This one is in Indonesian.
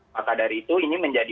maka dari itu ini menjadi